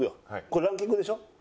これランキングでしょ？